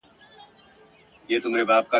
چي ښوونکي او ملا به را ښودله ..